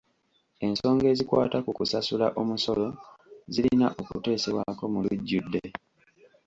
Ensonga ezikwata ku kusasula omusolo zirina okuteesebwako mu lujjudde.